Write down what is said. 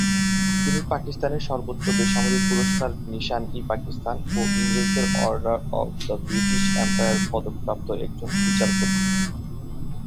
তিনি পাকিস্তানের সর্বোচ্চ বেসামরিক পুরস্কার নিশান-ই-পাকিস্তান ও ইংরেজদের Order of the British Empire পদকপ্রাপ্ত একজন বিচারপতি।